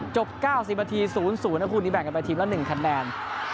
จบ๙๐นาที๐๐นะคู่นี้แบ่งกันไปทีมละ๑คะแนน